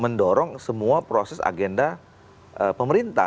mendorong semua proses agenda pemerintah